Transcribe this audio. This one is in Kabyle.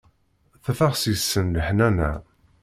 Teffeɣ seg-sen leḥnana.